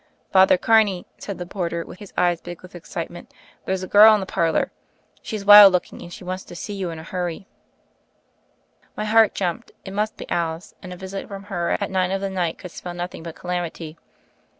"Father Carney," said the porter, his eyes big with excitement, "there's a girl in the par lor. She's wild looking and she wants to see you in a hurry." My heart jumped. It must be Alice, and a visit from her at nine of the night could spell nothing but calamity.